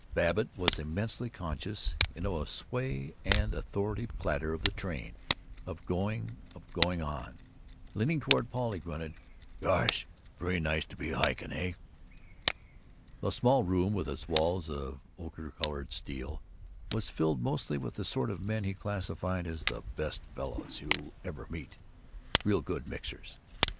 Babbitt was immensely conscious, in the sway and authoritative clatter of the train, of going, of going on. Leaning toward Paul he grunted, "Gosh, pretty nice to be hiking, eh?" The small room, with its walls of ocher colored steel, was filled mostly with the sort of men he classified as the Best Fellows You'll Ever Meet Real Good Mixers.